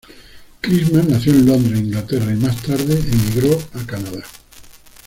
Christmas nació en Londres, Inglaterra y más tarde emigró a Canadá.